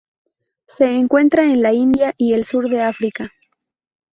Se encuentra en la India y el sur de África.